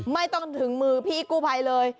ไม่ต้นถึงมือพี่อิกกูภัยเลย